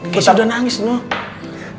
keisha udah nangis noh